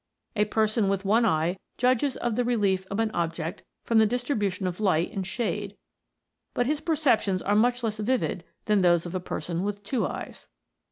A person with one eye judges of the relief of an object from the distri bution of light and shade, but his perceptions are much less vivid than those of a person with two eyes.